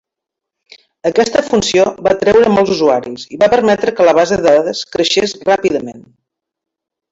Aquesta funció va atreure molts usuaris i va permetre que la base de dades creixés ràpidament.